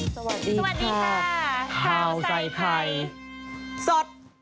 สวัสดีค่ะข่าวสายไพรสด